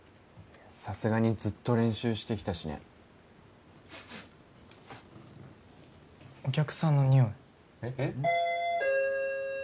さすがにずっと練習してきたしねお客さんのにおいえっ？